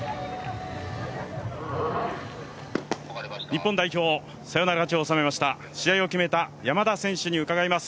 日本代表サヨナラ勝ちを収めました試合を決めました山田選手に伺います。